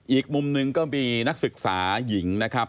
อีกมุมหนึ่งก็มีนักศึกษาหญิงนะครับ